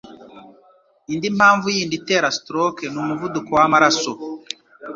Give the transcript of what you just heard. Indi mpamvu yindi itera stroke n'umuvuduko w'amaraso